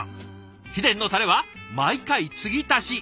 秘伝のタレは毎回つぎ足し。